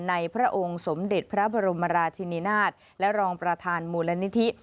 พระองค์สมเด็จพระบรมราชินินาศและรองประธานมูลนิธิ